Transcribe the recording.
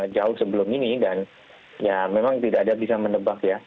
jauh sebelum ini dan ya memang tidak ada bisa menebak ya